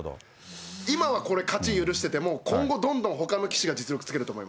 今はこれ、勝ち許してても、今後どんどん、ほかの棋士が実力つけてくと思う。